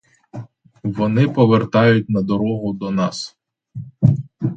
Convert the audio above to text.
Вони повертають на дорогу до нас.